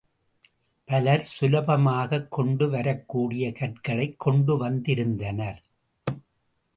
பலர் சுலபமாகக் கொண்டு வரக் கூடிய கற்களை கொண்டு வந்திருந்தனர்.